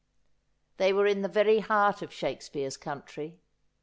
They were in the very heart of Shakespeare's country.